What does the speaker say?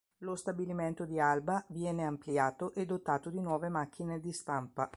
Lo stabilimento di Alba viene ampliato e dotato di nuove macchine di stampa.